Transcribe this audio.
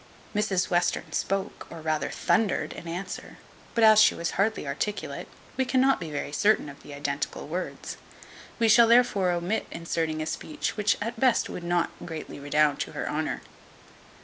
Mrs Western spoke, or rather thundered, in answer; but as she was hardly articulate, we cannot be very certain of the identical words; we shall therefore omit inserting a speech which at best would not greatly redound to her honour.